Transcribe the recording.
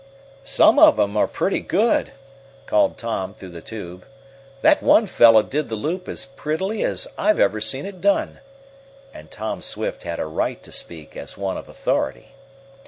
"Some of 'em are pretty good!" called Tom, through the tube. "That one fellow did the loop as prettily as I've ever seen it done," and Tom Swift had a right to speak as one of authority.